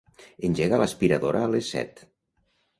Engega l'aspiradora a les set.